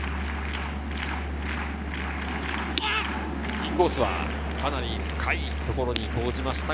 インコースはかなり深いところに投じました。